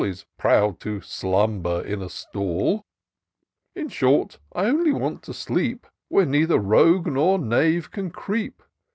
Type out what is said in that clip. Is proud to slumber in a stall : In short, I only want to sleep Where neither rogue nor knave can creep.